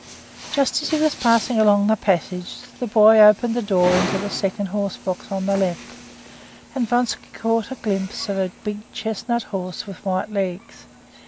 Just as he was passing along the passage, the boy opened the door into the second horse box on the left, and Vronsky caught a glimpse of a big chestnut horse with white legs.